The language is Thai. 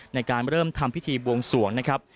ในการเริ่มทำพิธีบวงสวงนะครับ